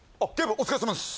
お疲れさまです